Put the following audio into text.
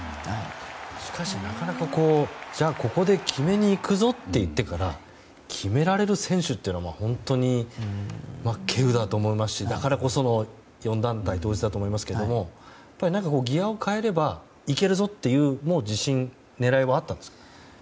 しかし、なかなかじゃあ、ここで決めに行くぞとなってから決められる選手っていうのは本当に稀有だと思いますしだからこその４団体統一だと思いますがギアを変えればいけるぞという自信、狙いはあったんですか。